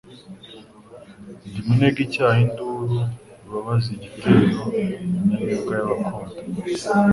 Ndi Minega icyaha induru Rubabaza igitero, Inyamibwa y'abankunda